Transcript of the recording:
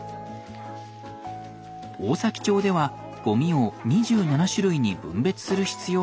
大崎町ではゴミを２７種類に分別する必要があるのです。